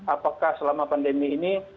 apakah selama pandemi ini